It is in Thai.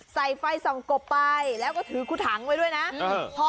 ใส่ไฟส่องกบไปแล้วก็ถือคุถังไว้ด้วยนะ